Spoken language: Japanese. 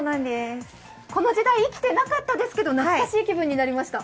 この時代、生きてなかったんですけど懐かしい気分になりました。